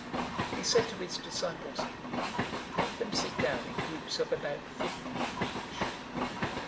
He said to his disciples, "Make them sit down in groups of about fifty each."